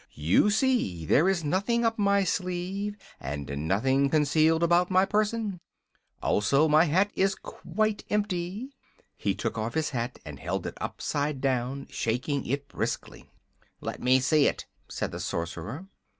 You see, there is nothing up my sleeve and nothing concealed about my person. Also, my hat is quite empty." He took off his hat and held it upside down, shaking it briskly. "Let me see it," said the Sorcerer.